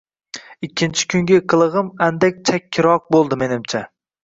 Ikkinchi kungi qilig‘im andak chakkiroq bo‘ldi, menimcha